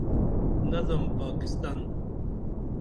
نظم پاکستان